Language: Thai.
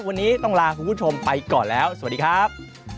วันนี้ต้องลาคุณผู้ชมไปก่อนแล้วสวัสดีครับ